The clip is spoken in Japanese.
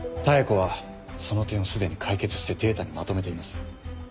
妙子はその点をすでに解決してデータにまとめています。